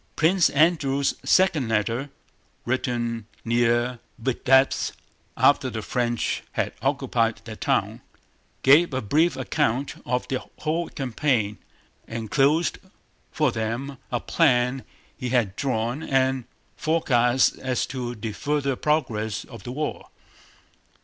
Prince Andrew's second letter, written near Vítebsk after the French had occupied that town, gave a brief account of the whole campaign, enclosed for them a plan he had drawn and forecasts as to the further progress of the war.